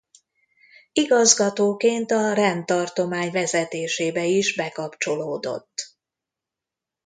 Igazgatóként a rendtartomány vezetésébe is bekapcsolódott.